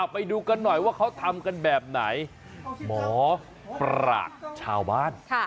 ไปดูกันหน่อยว่าเขาทำกันแบบไหนหมอปราศชาวบ้าน